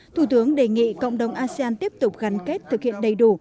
thủ tướng đề nghị cộng đồng asean tiếp tục gắn kết thực hiện đầy đủ